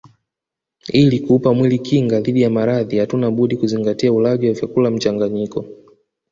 Ili kuupa mwili kinga dhidi ya maradhi hatuna budi kuzingatia ulaji wa vyakula mchanganyiko